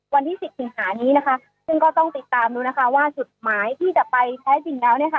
วันที่สิบสิงหานี้นะคะซึ่งก็ต้องติดตามดูนะคะว่าจุดหมายที่จะไปแท้จริงแล้วเนี่ยค่ะ